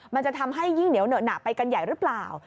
มันจะทำให้ยิ่งเหนียวเหนอะหนักไปกันใหญ่หรือเปล่า